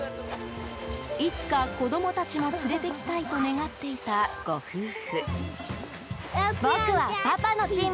いつか子供たちも連れてきたいと願っていたご夫婦。